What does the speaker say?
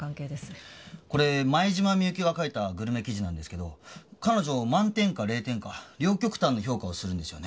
これ前島美雪が書いたグルメ記事なんですけど彼女満点か０点か両極端の評価をするんですよね。